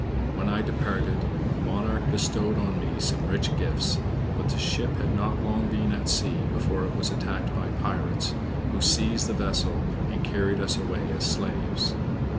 When I departed, the monarch bestowed on me some rich gifts; but the ship had not long been at sea, before it was attacked by pirates, who seized the vessel, and carried us away as slaves.